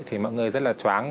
thì mọi người rất là chóng